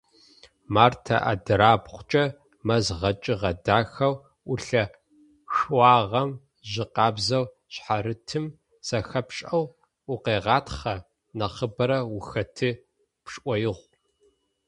Мартэ адырабгъукӏэ мэз гъэкӏыгъэ дахэу ӏулъэшъуагъэм жьы къабзэу шъхьарытым зэхапшӏэу укъегъатхъэ, нахьыбэрэ ухэты пшӏоигъу.